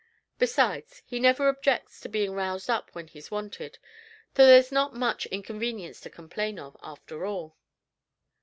Besides, he never objects to being roused up when he's wanted, so there's not much inconvenience to complain of, after all."